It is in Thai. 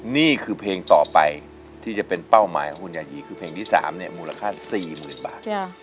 นี่คือเพลงต่อไปที่จะเป็นเป้าหมายของคุณยายีคือเพลงที่๓มูลค่า๔๐๐๐บาท